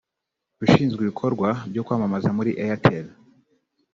Ushinzwe ibikorwa byo kwamamaza muri Airtel